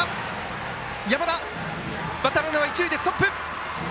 バッターランナーは一塁でストップ。